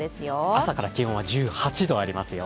朝から気温は１８度ありますよ。